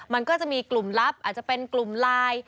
มันก็จะมีกลุ่มลับอาจจะเป็นกลุ่มไลน์